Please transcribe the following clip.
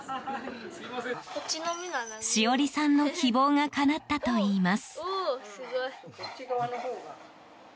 しおりさんの希望がかなったといいます。